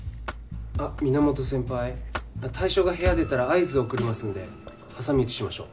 あっ源先輩対象が部屋出たら合図を送りますんで挟み撃ちしましょう。